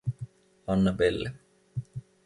Annabelle.